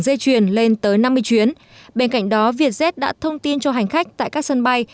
dây chuyền lên tới năm mươi chuyến bên cạnh đó vietjet đã thông tin cho hành khách tại các sân bay